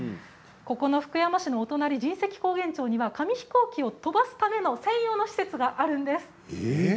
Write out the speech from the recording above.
福山市の隣、神石高原町には紙ヒコーキを飛ばすための専用の施設があるんです。